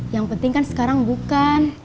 yang penting kan sekarang bukan